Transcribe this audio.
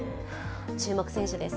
注目選手です。